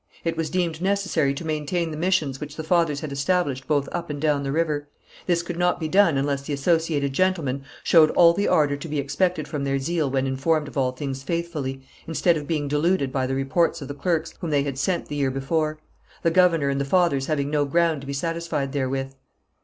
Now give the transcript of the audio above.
It was deemed necessary to maintain the missions which the fathers had established both up and down the river. This could not be done unless the associated gentlemen showed all the ardour to be expected from their zeal when informed of all things faithfully, instead of being deluded by the reports of the clerks whom they had sent the year before; the governor and the fathers having no ground to be satisfied therewith.